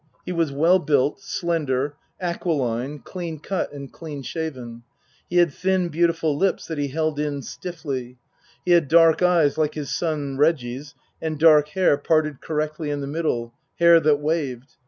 He was well built, slender, aquiline, clean cut and clean shaven ; he had thin, beautiful lips that he held in stiffly ; he had dark eyes like his son Reggie's, and dark hair parted cor rectly in the middle, hair that waved.